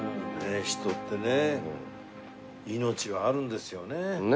人ってね命があるんですよねやっぱりね。